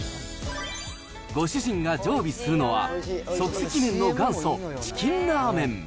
ご主人が常備するのは、即席麺の元祖、チキンラーメン。